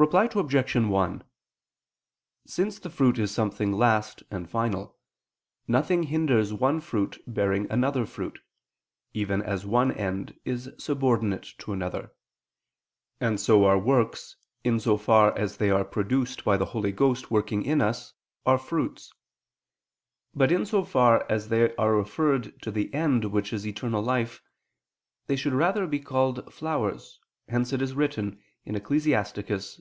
Reply Obj. 1: Since fruit is something last and final, nothing hinders one fruit bearing another fruit, even as one end is subordinate to another. And so our works, in so far as they are produced by the Holy Ghost working in us, are fruits: but, in so far as they are referred to the end which is eternal life, they should rather be called flowers: hence it is written (Ecclus.